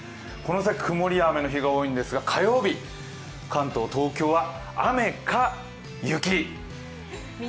この先、曇りや雨が多いんですが火曜日、関東、東京は雨か雪。